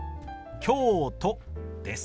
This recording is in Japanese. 「京都」です。